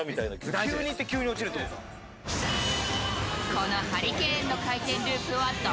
このハリケーンの回転ループはだ